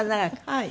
はい。